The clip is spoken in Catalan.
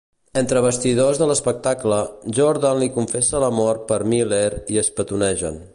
Entre bastidors de l'espectacle, Jordan li confessa l'amor per Miller i es petonegen.